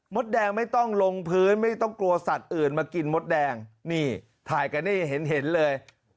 แดงไม่ต้องลงพื้นไม่ต้องกลัวสัตว์อื่นมากินมดแดงนี่ถ่ายกันนี่เห็นเลย